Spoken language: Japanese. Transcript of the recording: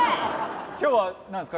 今日はなんですか？